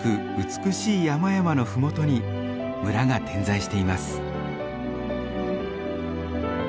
美しい山々の麓に村が点在しています。